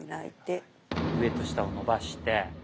上と下を伸ばして。